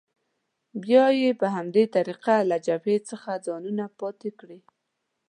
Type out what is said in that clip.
بیا یې په همدې طریقه له جبهې څخه ځانونه پاتې کړي.